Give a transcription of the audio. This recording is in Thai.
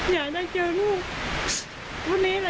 ยายได้เจอลูก